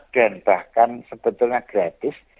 dan bahkan sebetulnya gratis